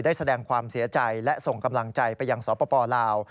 แสดงความเสียใจและส่งกำลังใจไปยังสปลาว